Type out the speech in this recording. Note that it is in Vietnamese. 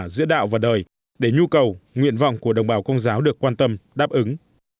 giữa đạo và đời để nhu cầu nguyện vọng của đồng bào công giáo được quan tâm đáp ứng